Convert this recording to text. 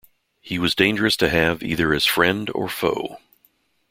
He was dangerous to have either as friend or foe.